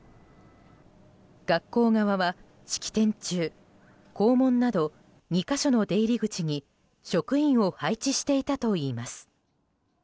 学校側は式典中校門など２か所の出入り口に職員を配置していたといいます。